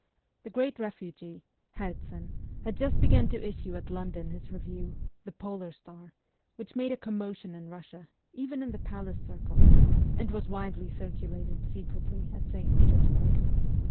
The great refugee, Herzen, had just begun to issue at London his review, ' The Polar Star,' which made a commotion in Russia, even in the palace circles, and was widely circulated secretly at St. Petersburg.